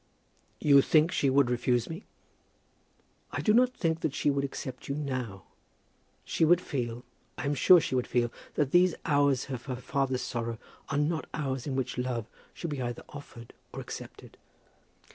"You think she would refuse me?" "I do not think that she would accept you now. She would feel, I am sure she would feel, that these hours of her father's sorrow are not hours in which love should be either offered or accepted.